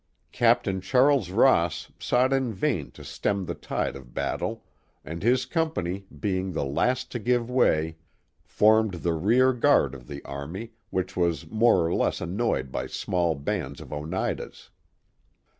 Captain Charles Ross sought in vain to stem the tide of battle, and his company, being the last to give way, formed the Legend of Mrs. Ross 247 rear guard of the army, which was more or less annoyed by small bands of Oneidas.